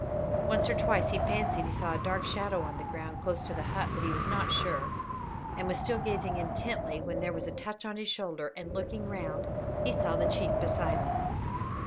Once or twice he fancied he saw a dark shadow on the ground close to the hut, but he was not sure, and was still gazing intently when there was a touch on his shoulder, and, looking round, he saw the chief beside him.